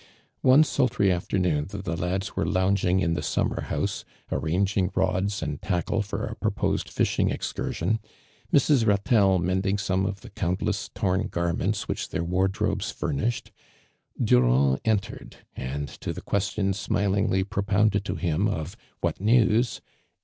One sultry afternoon that the lads were loung ing in the summer house, arranging rods jind tackle for a proposed lishing excursion, IMi's. Iliitelle mending some of the countless torn garments which tlieir wardrobes fur nished, Durand entered, and to tlii' ([Uestion smilingly propounded to him of '• What news?''